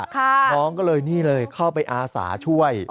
น้องก็เลยนี่เลยเข้าไปอาสาช่วย